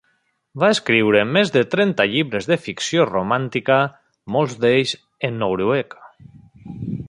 Va escriure més de trenta llibres de ficció romàntica, molts d'ells en noruec.